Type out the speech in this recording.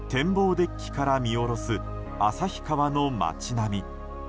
デッキから見下ろす旭川の街並み。